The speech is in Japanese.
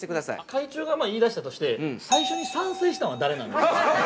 ◆会長が言い出したとして最初に賛成したのは誰なんですか。